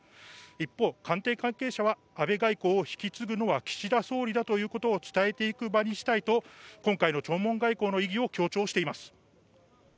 一方、官邸関係者は安倍外交を引き継ぐのは岸田総理だということを伝えていく場にしたいと今回の弔問外交の意義を強調しています。